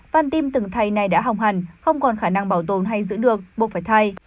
văn tim từng thầy này đã hỏng hẳn không còn khả năng bảo tồn hay giữ được buộc phải thay